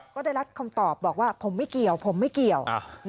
ก็ได้รับคำตอบบอกว่าผมไม่เกี่ยวผมไม่เกี่ยว